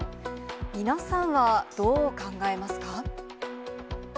皆さんはどう考えますか？